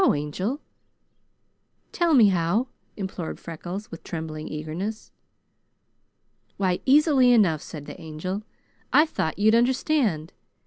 Angel, tell me how!" implored Freckles with trembling eagerness. "Why, easily enough," said the Angel. "I thought you'd understand.